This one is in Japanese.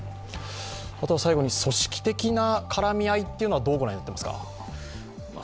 最後に組織的な絡み合いはどうご覧になってますか？